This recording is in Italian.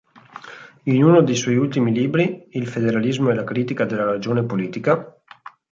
In uno dei suoi ultimi libri, "Il federalismo e la critica della ragione politica.